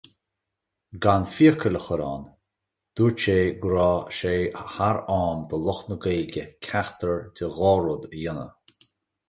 Gan fiacail a chur ann, dúirt sé go raibh sé thar am do lucht na Gaeilge ceachtar de dhá rud a dhéanamh.